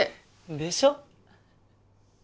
でしょ？